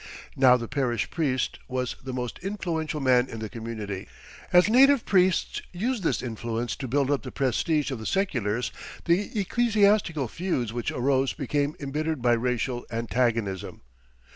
Now the parish priest was the most influential man in the community. As native priests used this influence to build up the prestige of the seculars, the ecclesiastical feuds which arose became embittered by racial antagonism.